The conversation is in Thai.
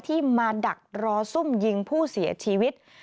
ที่มาดักรอซุ่มยิงผู้เสียชีวิต